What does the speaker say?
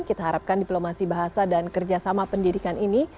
kita harapkan diplomasi bahasa dan kerjasama pendidikan ini